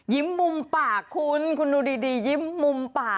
มุมปากคุณคุณดูดียิ้มมุมปาก